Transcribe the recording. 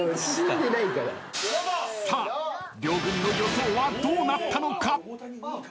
［さあ両軍の予想はどうなったのか？］